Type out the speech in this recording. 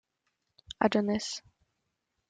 Adonis.